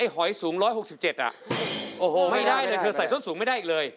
ไอ้หอยสูงร้อยหกสิบเจ็ดอ่ะโอ้โหไม่ได้เลยเธอใส่ส้นสูงไม่ได้อีกเลย